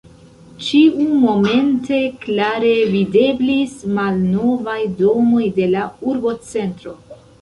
Ĉiumomente klare videblis malnovaj domoj de la urbocentro.